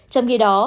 trong khi đó